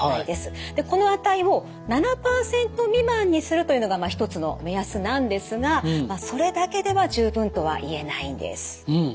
でこの値を７％未満にするというのが一つの目安なんですがそれだけでは十分とは言えないんです。